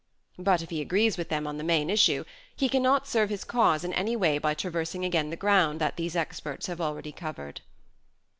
But if he agrees with them on the main issue he can not serve his cause in any way by traversing again the ground that these experts have already covered.